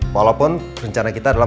walaupun rencana kita adalah